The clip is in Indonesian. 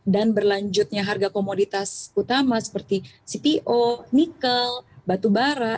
dan berlanjutnya harga komoditas utama seperti cpo nikel batu bara